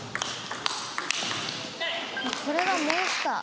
これはモンスター。